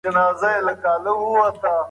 د یوې موخی د مخې د سولې پلویان فعال دي.